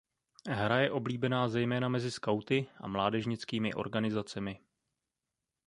Hra je oblíbená zejména mezi skauty a mládežnickými organizacemi.